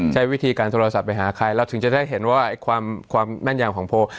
ใช้วิธีการโทรศัพท์ไปหาใครเราถึงจะได้เห็นว่าความแม่นยำของโพล